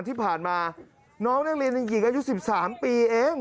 ที่ผ่านมาน้องนักเรียนหญิงอายุ๑๓ปีเอง